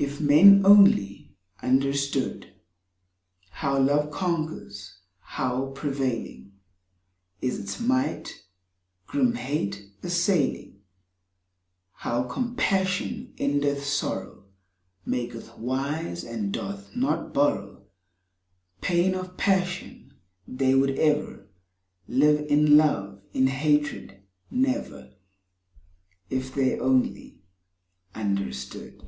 If men only understood How Love conquers ; how prevailing Is its might, grim hate assailing; How Compassion endeth sorrow, Maketh wise, and doth not borrow Pain of passion; they would ever Live in Love, in hatred never— If they only understood.